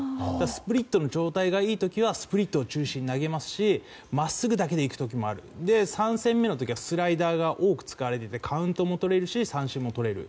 スプリットの状態がいいとスプリットを中心に投げるしまっすぐだけでいく時もある３戦目の時はスライダーが多く使われカウントも、三振もとれる。